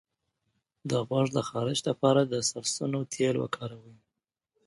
د غوږ د خارش لپاره د سرسونو تېل وکاروئ